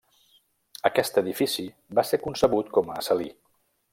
Aquest edifici va ser concebut com a salí.